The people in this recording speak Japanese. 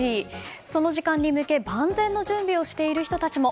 その時間に向け万全の準備をしている人たちも。